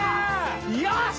よし！